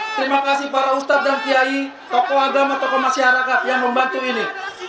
terima kasih para ustadz dan kiai tokoh agama tokoh masyarakat yang membantu ini